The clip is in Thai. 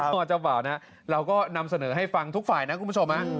ว่าเจ้าบ่าวนะเราก็นำเสนอให้ฟังทุกฝ่ายนะคุณผู้ชม